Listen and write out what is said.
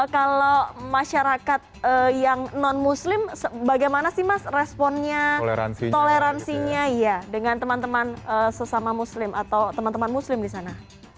kalau masyarakat yang non muslim bagaimana sih mas responnya toleransinya ya dengan teman teman sesama muslim atau teman teman muslim di sana